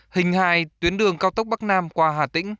hình hài tuyến đường cao tốc bắc nam qua hà tĩnh